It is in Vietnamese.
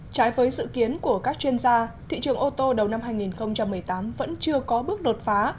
trái với dự kiến của các chuyên gia thị trường ô tô đầu năm hai nghìn một mươi tám vẫn chưa có bước đột phá